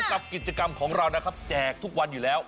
กับกิจกรรมของเรานะครับแจกทุกวันอยู่แล้ว